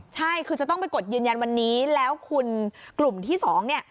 ใช่คือจะต้องไปกดยืนยันวันนี้แล้วคุณกลุ่มที่สองเนี่ย